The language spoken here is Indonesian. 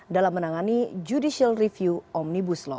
dalam menangani judicial review omnibus law